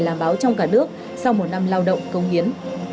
làm báo trong cả nước sau một năm lao động công hiến